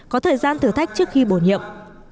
có thời gian thử thách trước khi bổ nhiệm